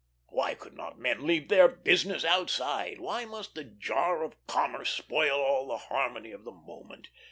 Why could not men leave their business outside, why must the jar of commerce spoil all the harmony of this moment.